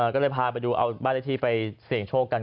ก็เลยพาไปดูเอาบ้านเลขที่ไปเสี่ยงโชคกัน